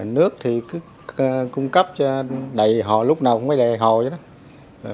nước thì cứ cung cấp cho đầy hồ lúc nào cũng phải đầy hồ cho nó